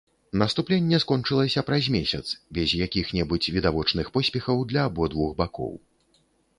Наступленне скончылася праз месяц без якіх-небудзь відавочных поспехаў для абодвух бакоў.